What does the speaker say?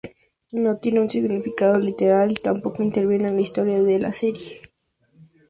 No tiene un significado literal, y tampoco interviene en la historia de la serie.